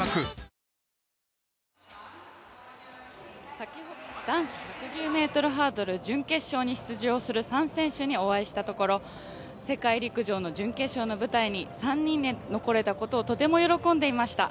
先ほど男子１１０ｍハードルに出場する３選手にお会いしたところ、世界陸上の準決勝の舞台に３人で残れたことをとても喜んでいました。